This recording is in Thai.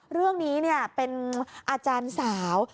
เรื่องนี้เป็นอาจารย์สาว